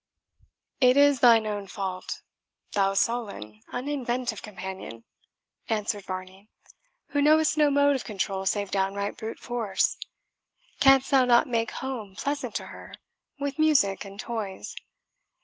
"It is thine own fault, thou sullen, uninventive companion," answered Varney, "who knowest no mode of control save downright brute force. Canst thou not make home pleasant to her, with music and toys?